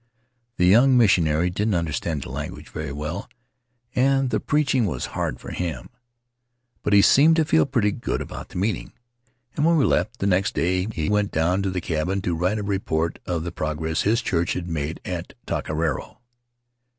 The young missionary didn't understand the language very well, and the preaching was hard for him. But he seemed to feel pretty good about the meeting, and when we left, the next day, he went down to the cabin to write a report of the progress his church had made at Taka Raro.